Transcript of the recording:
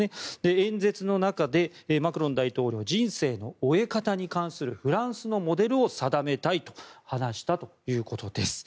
演説の中でマクロン大統領は人生の終え方に関するフランスのモデルを定めたいと話したということです。